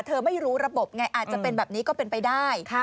ไม่รู้ระบบไงอาจจะเป็นแบบนี้ก็เป็นไปได้